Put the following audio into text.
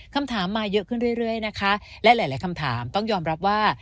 คำถามมาเยอะขึ้นเรื่อยนะคะและหลายคำถามต้องยอมรับว่า